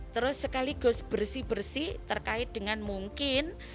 terus sekaligus bersih bersih terkait dengan mungkin